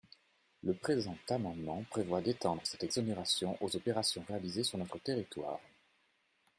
Le présent amendement prévoit d’étendre cette exonération aux opérations réalisées sur notre territoire.